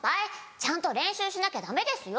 ちゃんと練習しなきゃダメですよ！」。